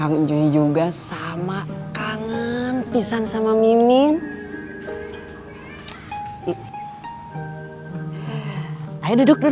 aduh hebat kamu teko